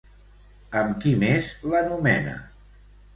Amb qui més l'anomena?